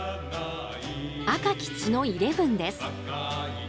「赤き血のイレブン」です。